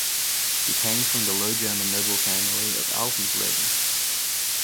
He came from the Low German noble family of Alvensleben.